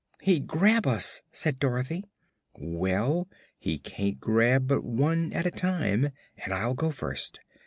"He'd grab us," said Dorothy. "Well, he can't grab but one at a time, and I'll go first.